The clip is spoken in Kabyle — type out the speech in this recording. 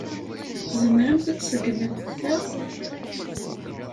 Tzemremt ad tseggmemt ta?